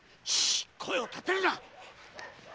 声をたてるな！